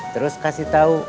terus kasih tau